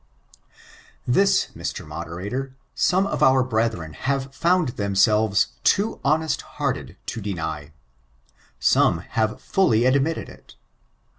This, Mr. Moderator, some of our brethren have found themselves too honest hearted to deny. Some have fully admitted it.